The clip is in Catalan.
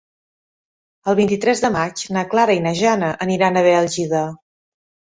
El vint-i-tres de maig na Clara i na Jana aniran a Bèlgida.